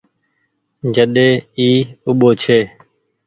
جڏي اي اوٻو ڇي۔